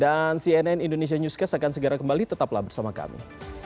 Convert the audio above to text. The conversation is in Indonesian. dan cnn indonesia newscast akan segera kembali tetaplah bersama kami